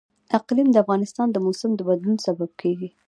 اقلیم د افغانستان د موسم د بدلون سبب کېږي.